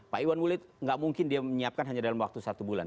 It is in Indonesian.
pak iwan bulet nggak mungkin dia menyiapkan hanya dalam waktu satu bulan